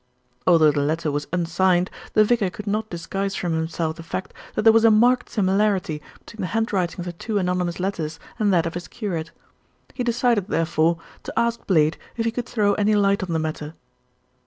Although the letter was unsigned, the vicar could not disguise from himself the fact that there was a marked similarity between the handwriting of the two anonymous letters and that of his curate. He decided, therefore, to ask Blade if he could throw any light on the matter.